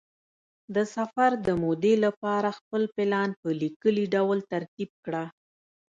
د سفر د مودې لپاره خپل پلان په لیکلي ډول ترتیب کړه.